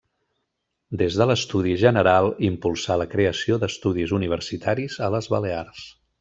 Des de l'Estudi General impulsà la creació d'estudis universitaris a les Balears.